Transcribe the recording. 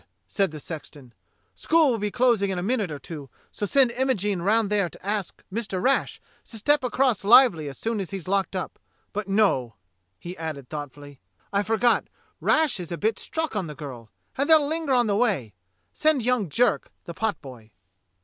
said the sexton. "School will be closing in a minute or two, so send Imogene round there to ask Mr. Rash to step across lively as soon as he's locked up. But no" — he added thoughtfully — "I forgot: Rash is a bit struck on the girl and they'll linger on the way; send young Jerk, the potboy."